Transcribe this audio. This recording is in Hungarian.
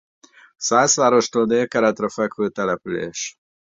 Szászvárostól délkeletre fekvő település.